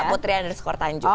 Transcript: putri andri skor tanjung